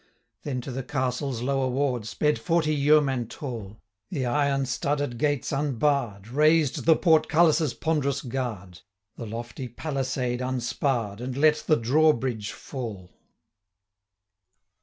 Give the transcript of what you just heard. Then to the Castle's lower ward Sped forty yeomen tall, The iron studded gates unbarr'd, Raised the portcullis' ponderous guard, 55 The lofty palisade unsparr'd, And let the drawbridge fall.